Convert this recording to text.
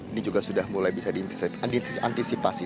ini juga sudah mulai bisa diantisipasi